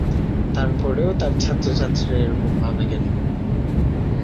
তার পরেও তাঁর ছাত্রছাত্রীরা এরকম ভাবে কেন?